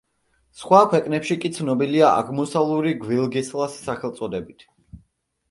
სხვა ქვეყნებში კი ცნობილია აღმოსავლური გველგესლას სახელწოდებით.